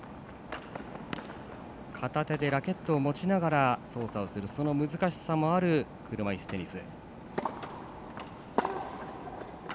片手でラケットを持ちながら操作する難しさもある車いすテニス。